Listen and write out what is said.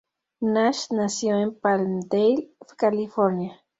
Nash nació en Palmdale, California.